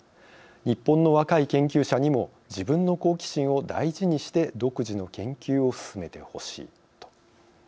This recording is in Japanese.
日本の若い研究者にも自分の好奇心を大事にして独自の研究を進めてほしい」と。